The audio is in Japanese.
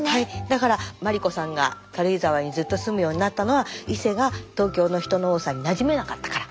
だから麻里子さんが軽井沢にずっと住むようになったのは「いせ」が東京の人の多さになじめなかったから。